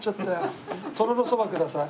とろろそばください。